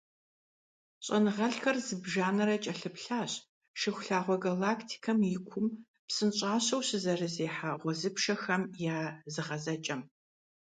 ЩIэныгъэлIхэр зыбжанэрэ кIэлъыплъащ Шыхулъагъуэ галактикэм и кум псынщIащэу щызэрызехьэ гъуэзыпшэхэм я зыгъэзэкIэм.